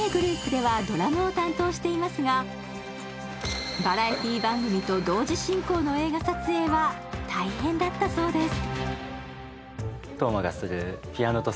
ｇｒｏｕｐではドラムを担当していますが、バラエティー番組と同時進行の映画撮影は大変だったといいます。